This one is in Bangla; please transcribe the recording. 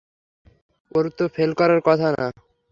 ওর তো ফেল করার কথা না!